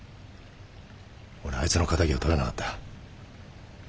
俺はあいつの敵をとれなかった。